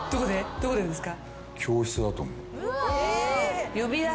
どこでですか？